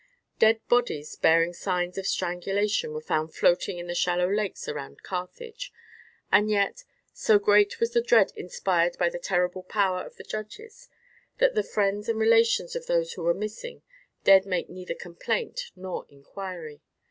Dead bodies bearing signs of strangulation were found floating in the shallow lakes around Carthage; and yet, so great was the dread inspired by the terrible power of the judges, that the friends and relations of those who were missing dared make neither complaint nor inquiry.